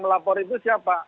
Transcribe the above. lapor itu siapa